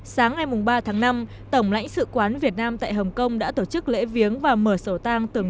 sáng ngày mùng ba tháng năm tổng lãnh sự quán việt nam tại hồng kông đã tổ chức lễ viếng và mở sổ tăng tưởng niệm nguyên chủ tịch nước lê đức anh